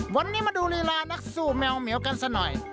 วันนี้มาดูลีลานักสู้แมวเหมียวกันซะหน่อย